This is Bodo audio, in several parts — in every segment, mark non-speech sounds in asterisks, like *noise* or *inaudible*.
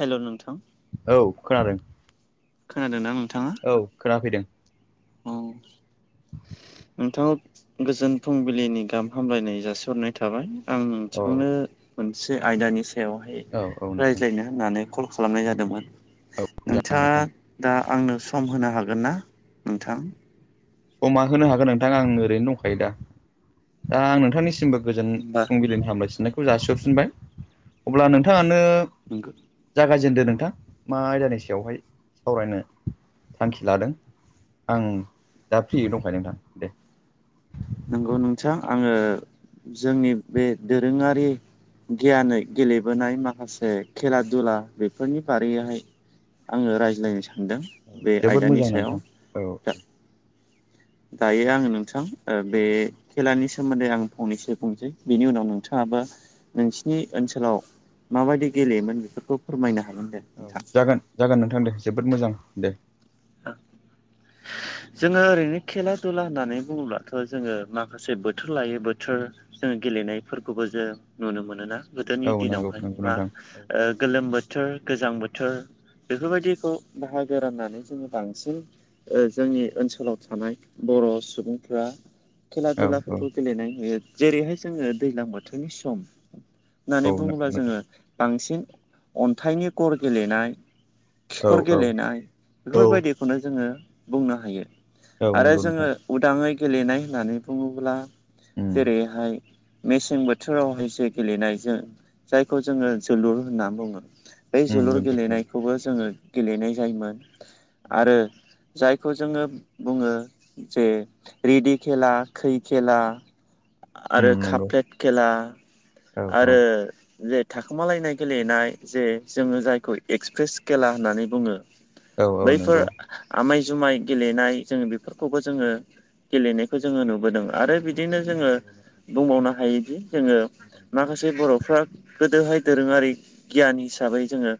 हेलौ नोंथां औ खोनादों खोनादों ना नोंथाङा? औ खोनाफैदों। औ। नोंथाङाव गोजोन फुंबिलिनि गाहाम हामलायनाय जासिहरनाय थाबाय। आं अ नोंथांनो मोनसे आयदानि सायावहाय औ औ नोंथां रायज्लायनो होननानै कल खालामनाय जादोंमोन औ मोजां नोंथाङा नोंथां दा आंनो सम होनो हागोन ना नोंथां। समा होनो हागोन नोंथां आं ओरैनो दंखायो दा। दा आं नोंथांनि सिमबो गोजोन होमबा फुंबिलिनि हामलायथिनायखौ जासिहरफिनबाय। अब्ला नोंथाङानो नोंगो जागायजेनदो नोंथां मा आयदानि सायावहाय सावरायनो थांखि लादों। आं दा फ्रियै दंखायो नोंथां दे। नंगौ नोंथां आङो जोंनि बे दोरोङारि गियानै गेलेबोनाय माखासे खेला दुला बेफोरनि बारैैयाहाय आङो रायज्लायनो सानदों। औ बे जोबोद आयदानि मोजां सायाव नोंथां औ दा औ। दायो आङो नोंथां ओ बे खेलानि सोमोन्दै आं फंनैसो बुंनोसै बेनि उनाव नोंथाङाबो नोंसिनि ओनसोलाव माबायदि गेलेयोमोन बेफोरखौ फोरमायनो हागोन दे। औ नोंथां। जागोन जागोन नोंथां दे जोबोद मोजां दे। *inaudible* जोङो ओरैनो खेला दुला होननानै बुङोब्लाथ' जोङो माखासे बोथोर लायै बोथोर जोङो गेलेनायफोरखौबो जों नुनो मोनोना औ गोदोनि नंगौ दिनावहाय नंगौ मा नोंथां ओ गोलोम बोथोर गोजां बोथोर बेफोर बायदिखौ बाहागो राननानै जोङो बांसिन ओ जोंनि ओनसोलाव थानाय बर' सुबुंफोरा खेला औ औ दुलाफोरखौ गेलेनाय नुयो। जेरैहाय जोङो दैज्लां बोथोरनि सम औ होननानै नंगौ बुङोब्ला जोङो नोंथां बांसिन अन्थाइनि गर गेलेनाय औ खिखर औ गेलेनाय औ बेफोर बायदिखौनो जोङो बुंनो हायो औ आरो नंगौ जोङो नोंथां उदाङै गेलेनाय होननानै बुङोबोला उम जेरैहाय मेसें बोथोरावहाय जो गेलेनायजों जायखौ जोङो जोलुर होनना बुङो। बै उम जोलुर नंगौ नंगौ गेलेनायखौबो जोङो गेलेनाय जायोमोन आरो जायखौ जोङो बुङो जे रेदि खेला खै खेला आरो उम काप नंगौ फ्लेट खेला औ औ आरो जे थाखोमालायनाय गेलेनाय जे जोङो जायखौ एक्सप्रेस खेला होननानै बुङो। औ औ नंगौ बैफोर आमाय जुमाय गेलेनाय जोङो बेफोरखौबो जोङो गेलेनायखौ जोङो नुबोदों आरो बि दिनो जोङो नंगौ नोंथां बुंबावनो हायोदि जोङो माखासे बर'फ्रा गोदोहाय दोरोङारि गियान हिसाबै जोङो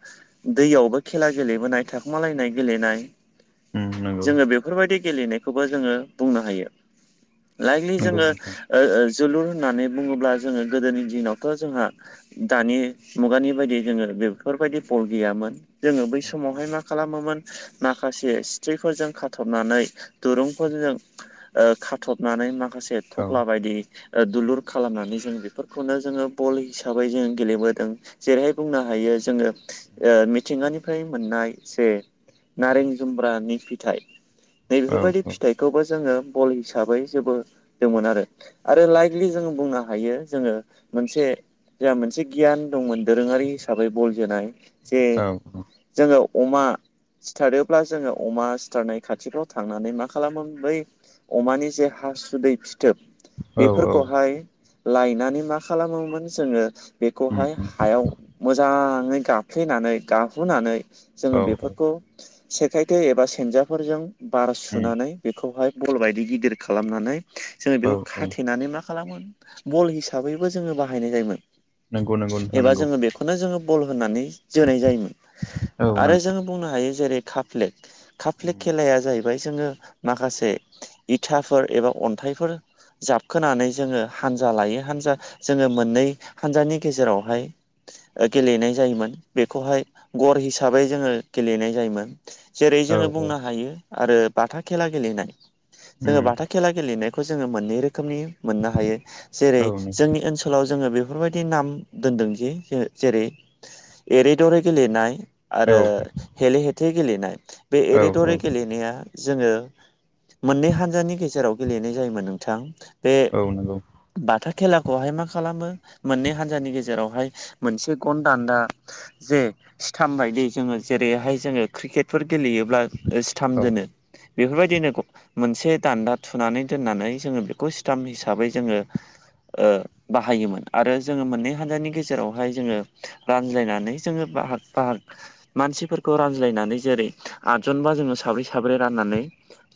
दैयावबो खेला गेलेबोनाय थाखोमालायनाय गेलेनाय उम नंगौ जोङो बेफोर बायदि गेलेनायखौबो जोङो बुंनो हायो। लाइकलि नंगौ जोङो नोंथां ओ ओ जोलुर होननानै बुङोब्ला जोङो गोदोनि दिनावथ' जोंहा दानि मुगानि बायदि जोङो बेफोरबायदि बल गैयामोन। जोङो बै समावहाय मा खालामोमोन माखासे सिफोरजों खाथबनानै दुरुंफोरजों ओ खाथबनानै माखासे उम थफ्ला बायदि ओ दुलुर खालामनानै जों बेफोरखौनो जोङो बल हिसाबै जों गेलेबोदों। जेरैहाय बुंनो हायो जोङो उम ओ मिथिंगानिफ्राय मोननाय जे नारें जुम्ब्रानि फिथाइ नै औ औ बेेफोर बायदि फिथाइखौबो जोङो बल हिसाबै जोबोदोंमोन आरो। आरो लाइकलि जोंङो बुंनो हायो जोङो मोनसे जोंहा मोनसे गियान दंमोन दोरोङारि हिसाबै बल जोनाय। जे औ जोङो अमा सिथारोब्ला जोङो अमा सिथारनाय खाथिफ्राव थांनानै मा खालामोमोन बै अमानि जे हासुदै फिथोब औ औ बेफोरखौहाय लायनानै मा खालामोमोन जोङो उम बेखौहाय उम हायाव मोजाङै गाफ्लेनानै गाहुनानै औ जोङो औ बेफोरखौ सेखायथे एबा सेनजाफोरजों बार उम सुनानै बेखौहाय बल बायदि गिदिर खालामनानै जोङो औ बेखौ औ खाथेनानै मा खालामोमोन बल हिसाबैबो जोङो बाहायनाय जायोमोन। नंगौ नंगौ नोंथां एबा नंगौ जोङो बेखौनो जोङो बल होननानै जोनाय जायोमोन। औ आरो नंगौ जोङो बुंनो हायो जेरै काप-फ्लेट काप-फ्लेट उम खेलाया जाहैबाय जोङो माखासे इथाफोर एबा अन्थाइफोर जाबखोनानै जोङो हानजा लायै हानजा जोङो मोननै हानजानि गेजेरावहाय गेलेनाय जायोमोन। बेखौहाय गर हिसाबै जोङो गेलेनाय जायोमोन। जेरै औ जोङो औ बुंनो हायो आरो बाथा खेला गेलेनाय। जोङो उम बाथा- खेला गेलेनायखौ जोङो मोनै रोखोमनि मोननो हायो औ जेरै जोंनि ओनसोल- लाव जोङो बेफोरबायदि नाम दोनदोंखि जे-ज जेरै एरै दरै गेलेनाय। आरो औ हेले-हेथे गेलेनाय। बे औ औ एरे-दरि गेलेनाया जोङो मोननै हानजानि गेजेराव गेलेनाय जायोमोन नोंथां। बे औ नंगौ बाथा खेलाखौहाय मा खालामो मोननै हान्जानि गेजेरावहाय मोनसे गन दान्दा जे स्थाम बायदि जोङो जेरैहाय जोङो क्रिकेट फोर गेलेयोब्ला सिथाम औ दोनो बेफोरबायदिनो मोनसे दान्दा थुनानै दोननानै जोङो बेखौ स्टाम हिसाबै जोङो ओ बाहायोमोन आरो जोङो मोननै हानजानि गेजेरावहाय जोङो रानज्लायनानै जोङो बाहाग बाहाग मानसिफोरखौ रानज्लायनानै जेरै आदजनबा जोङो साब्रै साब्रै राननानै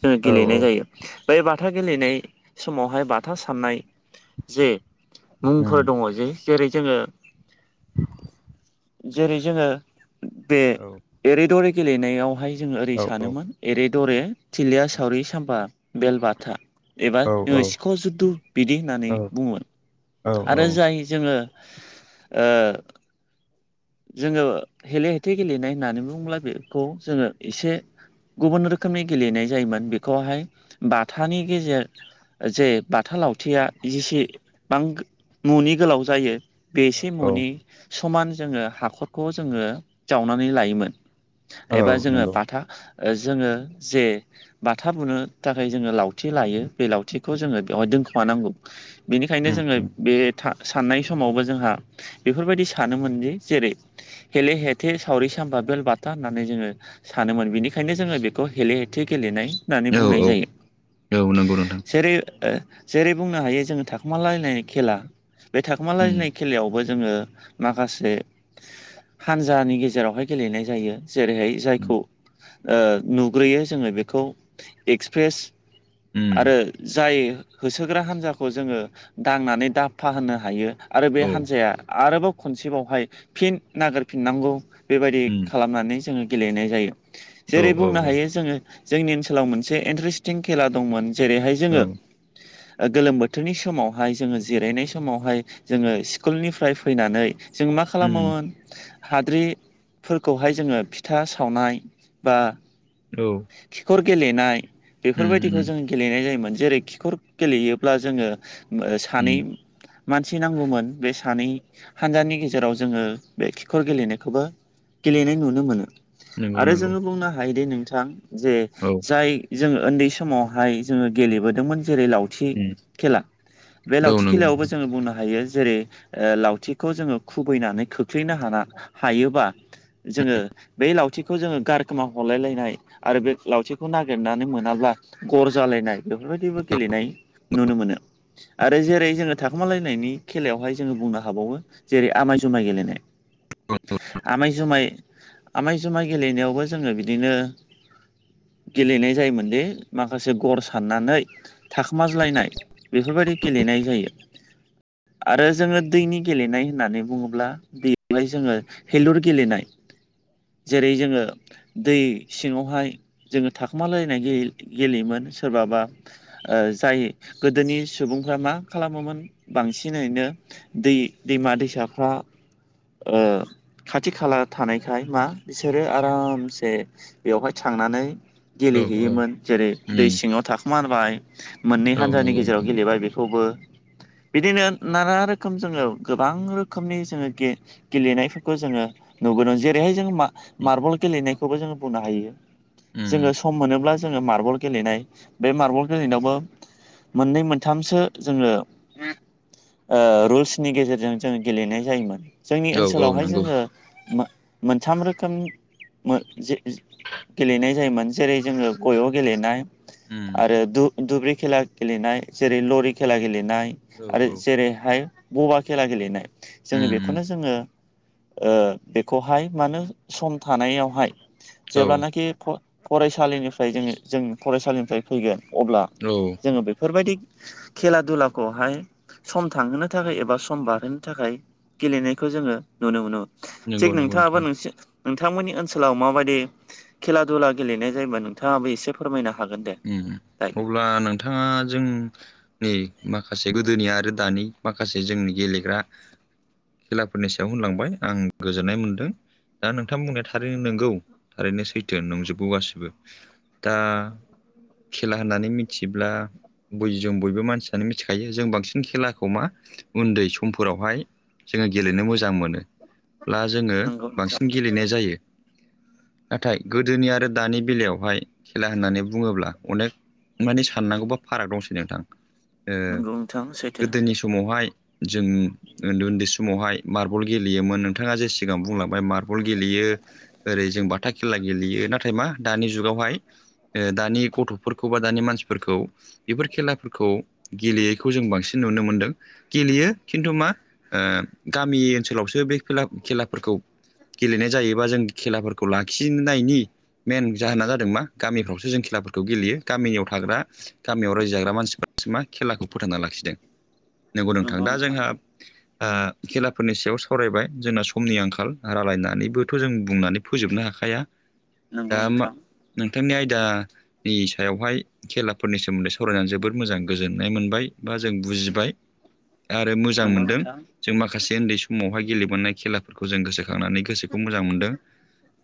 जोङो औ औ गेलेनाय जायो। बै बाथा गेलेनाय समावहाय बाथा साननाय जे उम मुंफोर दङ जे जेरै जोङो जेरै जोङो बे औ एरे-दरे गेलेनायावहाय जोङो ओरै औ सानोमोन एरे-दरे थिलिया सावरि सामबा बेलबाथा। एबा औ जोङो सिखाव' जुद्ध बिदि होननानै बुङोमोन। औ आरो जाय जोङो ओ जोङो हेले-हेथे गेलेनाय होननानै बुङोब्ला बेखौ जोङो एसे गुबुन रोखोमनि गेलेनाय जायोमोन। बेखौहाय बाथानि गेजेर- जे बाथा लावथिया जेसेबां न'नि गोलाव जायो बे एसे औ म'नि समान जोङो हाखरखौ जोङो जावनानै लायोमोन। एबा जोङो नंगौ बाथा जोङो जे बाथा बुनो थाखाय जोङो लावथि लायो बे लावथिखौ जोङो बेवहाय दोनखुमानांगौ। बेनिखायनो उम जोङो उम बे था साननाय समावबो जोंहा बेफोरबायदि सानोमोनदि जेरै हेले-हेथे सावरि सामबा बेल-बाथा होननानै जोङो सानोमोन बिनिखायनो जोङो बेखौ हेले-हेथे गेलेनाय होननानै औ बुंनाय औ जायो। औ नंगौ नोंथां जेरै ओ जेरै बुंनो हायो जोङो थाखोमालायनाय खेला बे उम थाखोमालायनाय खेलायावबो जोङो माखासे हानजानि गेजेरावहाय गेलेनाय जायो। जेरैहाय उम जायखौ ओ नुग्रोयो जोङो बेखौ एक्सप्रेस उम आरो जाय होसोग्रा हान्जाखौ जोङो दांनानै दाफा होनो हायो आरो बे औ हान्जाया आरोबाव खनसेबावहाय फिन नागिरफिननांगौ बेबायदि उम खालामनानै जोङो गेलेनाय जायो। औ जेरै औ बुंनो औ हायो जोङो जोंनि ओनसोलाव मोनसे इन्टारेस्टिं खेला दंमोन। जेरैहाय औ जोङो गोलोम बोथोरनि समावहाय जोङो जिरायनाय समावहाय जोङो स्कुलनिफ्राय फैनानै जों मा उम खालामोमोन हाद्रिफोरखौहाय जोङो फिथा सावनाय बा औ खिखर गेलेनाय उम बेफोरबायदिखौ उम जों गेलेनाय जायोमोन जेरै खिखर गेलेयोब्ला जोङो ओ उम सानै मानसि नांगौमोन बे सानै हानजानि गेजेर जेराव जोङो बे खिखर गेलेनायखौबो गेलेनाय नुनो मोनो। नंगौ आरो नंगौ जोङो बुंनो हायोदि नोंथां जे औ जाय जोङो उन्दै समावहाय जोङो गेलेबोदोंमोन जेरै लाव लावथि उम खेला बे औ लावथि नंगौ खेलायावबो जोङो बुंनो हायो जेरै लावथिखौ जोङो खुबैनानै खोख्लैनो हाना हायोबा जोङो बै लावथिखौ जोङो गारखोमा हरलायलायनाय आरो बे लावथिखौ नागिरनानै मोनाब्ला गर जालायनाय बेफोरबायदिबो गेलेनाय नुनो मोनो आरो जेरै जोङो थाखोमालायनायनि खेलायावहाय जोङो बुंनो हाबावो जेरै आमाय जुमाय गेलेनाय। आमाय जुमाय आमाय जुमाय गेलेनायावबो जोङो बिदिनो गेलेनाय जायोमोनदि माखासे गर साननानै। थाखोमाज्लायनाय बेफोरबायदि गेलेनाय जायो। आरो जोङो दैनि गेलेनाय होननानै बुङोब्ला बेलाय जोङो हेलुर गेलेनाय जेरै जोङो दै सिङावहाय जोङो थाखोमालायनाय गेलेयोमोन सोरबाबा जाय गोदोनि सुबुंफ्रा मा खालामोमोन बांसिनैनो दै दैमा दैसाफ्रा ओ खाथि खाला थानायखाय मा बिसोरो आरामसे बेवहाय थांनानै औ औ गेलेहैयोमोन जेरै दै उम सिङाव थाखोमारबाय। मोननै औ हानजानि नंगौ गेजेराव नोंथां गेलेबाय बेखौबो। बिदिनो नाना रोखोम जोङो गोबां रो खोमनि जोङो गे-गेलेनायफोरखौ जोङो नुबोदों जेरैहाय जों मा-मार्बल गेलेनाय। खौबो जोङो बुंनो हायो जोङो उम सम मोनोब्ला जोङो मार्बल गेलेनाय बे मार्बल गेलेनायावबो मोननै मोनथामसो जोङो रुल्सनि गेजेरजों जों गेलेनाय जायोमोन जोंनि औ औ ओनसोलावहाय नंगौ उम जोङो मोन मोनथाम रोखोम *unintelligible* गेलेनाय जायोमोन जेरै जोङो गय' गेलेनाय। आरो दु-दुब्रि खेला गेलेनाय जेरै लरि खेला गेलेनाय। औ आरो उम जेरैहाय बबा खेला गेलेनाय जोङो उम बेखौनो जोङो बेखौहाय मानो सम थानायावहाय औ जेब्लानाखि फरायसालिनिफ्राय जोङो जों फरायसालिनिफ्राय फैगोन अब्ला औ जोङो बेफोरबायदि खेला दुलाखौहाय सम थांहोनो थाखाय एबा सम बारहोनो थाखाय गेलेनायखौ जोङो नुनो मोनोमोन। नंगौ नंगौ थिग नोंथां नोंथाङाबो नोंसि नोंथांमोननि ओनसोलाव माबायदि खेला दुला गेलेनाय जायोबा नोंथाङाबो एसे फोरमायनो हागोन दे। उम दायो अब्ला नोंथाङा जों नै माखासे गोदोनि आरो दानि माखासे जोंनि गेलेग्रा खेलाफोरनि सायाव होनलांबाय आं गोजोननाय मोनदों। दा नोंथां बुंनाया थारैनो नंगौ थारैनो सैथो नंजोबगौ गासिबो दा खेला होननानै मिथिब्ला बयजों बयबो मानसियानो मिथिखायो जों बांसिन खेलाखौ मा उन्दै समफोरावहाय जोंङो गेलेनो मोजां मोनोब्ला जोङो नंगौ नोंथां बांसिन गेलेनाया जायो। नाथाय गोदोनि आरो दानि बेलायावहाय खेला होननानै बुङोब्ला अनेक मानि साननांगौबा फाराग दंसै नोंथां ओ नंगौ नोंथां सैथो गोदोनि सम समावहाय जोंङो उन्दै उन्दै समावहाय मार्बल गेलेयोमोन नोंथाङा जे सिगां बुंलांबाय मार्बल गेलेयो। ओरै जों बाथा खेला गेलेयो नाथाय मा दानि जुगावहाय ओ दानि गथ'फोरखौ बा दानि मानसिफोरखौ। बेफोर खेलाफोरखौ गेलेयैखौ जों बांसिन नुनो मोनदों। गेलेयो खिन्थु मा ओ गामि ओनसोलावसो बे खेला खेलाफोरखौ। गेलेनाय जायोबा जों खेलाफोरखौ लाखिनायनि मेन जाहोना जादों मा गामिफ्रावसो जों खेलाफोर खौ गेलेयो गामियाव थाग्रा गामियाव रायजो जाग्रा मानसिफोरासो मा खेलाखौ फोथांना लाखिदों। नोंगौ नोंथां दा जोंहा ओ खेलाफोरनि सायाव सावरायबाय जोंना समनि आंखाल रायलायनानैबोथ' जों बुंनानै फोजोबनो हाखाया नंगौ दा मा नोंथां नोंथांनि आयदानि सायावहाय खेलाफोरनि सोमोन्दै सावरायनान जोबोद मोजां गोजोननाय मोनबाय बा जों बुजिबाय आरो मोजां नंगौ मोनदों नोंथां जों माखासे ओन्दै समावहाय गेलेबोननाय खेलाफोरखौ जों गोसोखांनानै गोसोखौ मोजां मोनदों।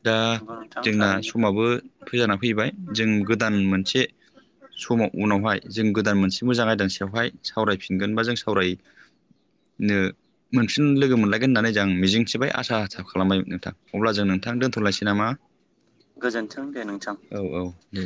दा नंगौ नोंथां जोंना थारैनो समाबो फैजाना फैबाय जों गो दान मोनसे समाव उनावहाय जों गोदान मोनसे मोजां आयदानि सायावहाय सावरायफिनगोन बा जों सावराय नो मोनफिन लोगो मोन लायगोन होननानै जां मिजिंथिबाय आसा खालामबाय नोंथां अब्ला जों नोंथां दोनथ'लायसै नामा। गोजोन्थों दे नोंथां औ औ दे